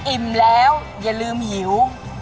อิ่มแล้วอย่าลืมหิว